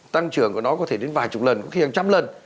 tăng trưởng của nó có thể đến vài chục lần có khi hàng trăm lần